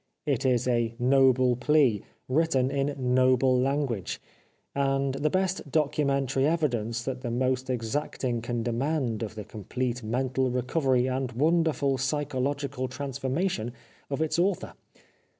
It is a noble plea, written in noble language, and the best documentary evidence that the most exacting can demand of the complete mental recovery and wonderful psychological trans formation of its author.